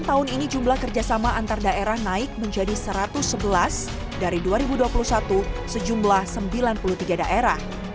tahun ini jumlah kerjasama antar daerah naik menjadi satu ratus sebelas dari dua ribu dua puluh satu sejumlah sembilan puluh tiga daerah